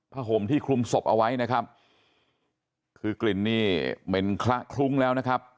ห่มที่คลุมศพเอาไว้นะครับคือกลิ่นนี่เหม็นคละคลุ้งแล้วนะครับ